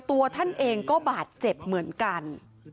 ตัวท่านเองก็บาดเจ็บเหมือนกัน